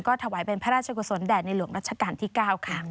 ถวายเป็นพระราชกุศลแด่ในหลวงรัชกาลที่๙ค่ะ